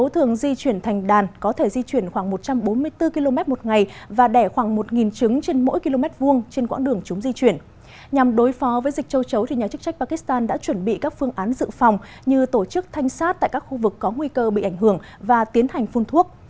trong bản tin tiếp theo nhà chức trách pakistan đã chuẩn bị các phương án dự phòng như tổ chức thanh sát tại các khu vực có nguy cơ bị ảnh hưởng và tiến hành phun thuốc